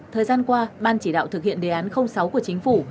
thời gian qua ban chỉ đạo thực hiện đề án sáu của chính phủ